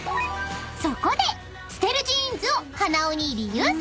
［そこで捨てるジーンズを鼻緒にリユース！］